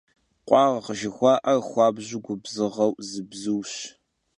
Khuarğ jjıxua'er xuabju gubzığeu zı bzuş.